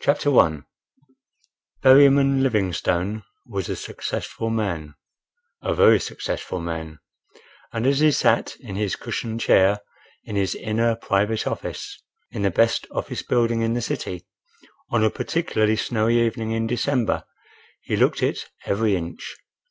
CHAPTER I Berryman Livingstone was a successful man, a very successful man, and as he sat in his cushioned chair in his inner private office (in the best office building in the city) on a particularly snowy evening in December, he looked it every inch.